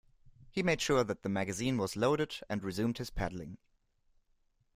He made sure that the magazine was loaded, and resumed his paddling.